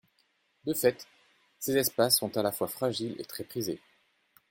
De fait, ces espaces sont à la fois fragiles et très prisés.